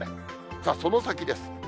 さあ、その先です。